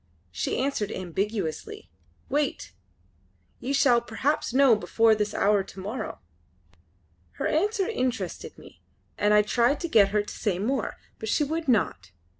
She answered ambiguously: "Wait! Ye shall perhaps know before this hour to morrow!" Her answer interested me and I tried to get her to say more; but she would not.